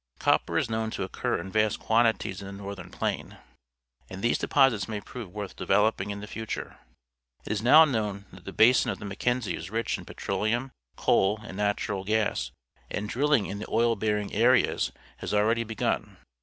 Copper is known to occur in vast quantities in the Northern Plain, and these deposits may prove worth developing in the future. It is now known that the Eskimo Whale boats, Fort McPherson basin of the ]\Iackenzie is rich in petroleum, coal, and natural g aSi_and drilling in the oil bearing areas has already begun.